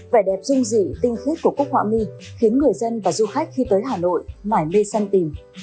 vẻ đẹp rung rỉ tinh khí của cúc họa mi khiến người dân và du khách khi tới hà nội mãi mê săn tìm